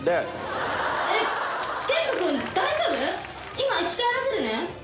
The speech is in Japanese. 今生き返らせるね。